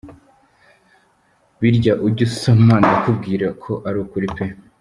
Birya ujya usoma ndakubwira ko ari ukuri pe !